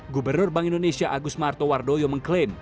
gubernur bank indonesia agus martowardoyo mengklaim